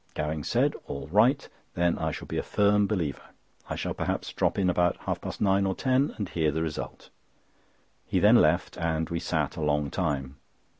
Gowing said: "All right; then I shall be a firm believer. I shall perhaps drop in about half past nine or ten, and hear the result." He then left and we sat a long time.